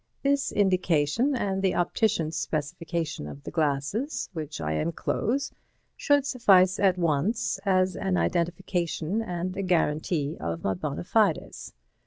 This indication and the optician's specification of the glasses, which I enclose, should suffice at once as an identification and a guarantee of my bona fides.